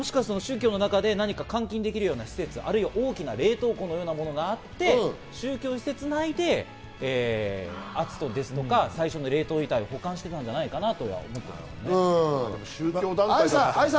監禁できるような施設、あるいは大きな冷凍庫のようなものがあって、宗教施設内で篤斗とか、最初の冷凍遺体を保管していたんじゃないかと。